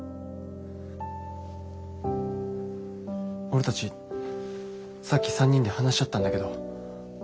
俺たちさっき３人で話し合ったんだけど。